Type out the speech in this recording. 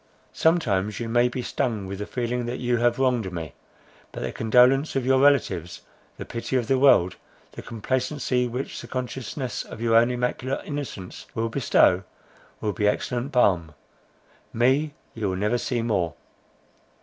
Sometimes you may be stung with the feeling that you have wronged me, but the condolence of your relatives, the pity of the world, the complacency which the consciousness of your own immaculate innocence will bestow, will be excellent balm;—me you will never see more!"